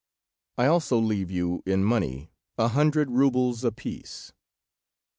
I also leave you, in money, a hundred roubles apiece."